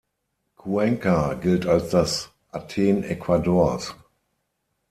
Cuenca gilt als das „Athen Ecuadors“.